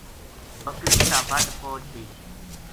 بکری تابٹ پوہچ گئی